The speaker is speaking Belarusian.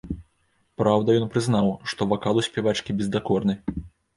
Праўда, ён прызнаў, што вакал у спявачкі бездакорны.